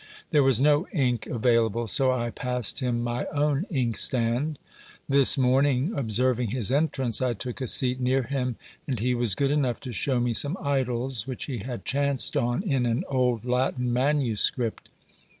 There was no ink available, so I passed him my own inkstand. This morning, observ ing his entrance, I took a seat near him, and he was good enough to show me some idylls which he had chanced on in an old Latin manuscript.